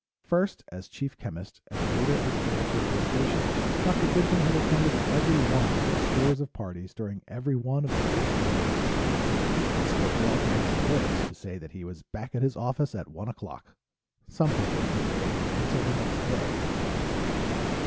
First as chief chemist, and later as director of the Station, Dr. Brinton had attended every one of the scores of parties during every one of the fourteen years. It spoke well for his endurance to say that he was back at his office at one o'clock. Some people didn't make it until the next day.